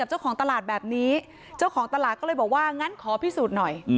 เจ้าของตลาดก็เลยบอกว่างั้นขอพิสูจน์หน่อย